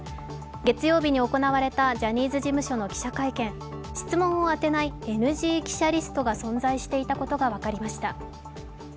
月曜日に行われたジャニーズ事務所の記者会見質問を当てないＮＧ記者リストが存在していたことが分かりました。